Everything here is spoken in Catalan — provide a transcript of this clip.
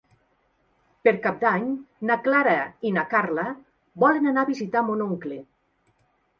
Per Cap d'Any na Clara i na Carla volen anar a visitar mon oncle.